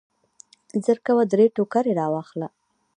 زرکوه درې ټوکرۍ واخله درې.